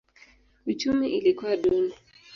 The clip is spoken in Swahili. Uchumi ilikuwa duni.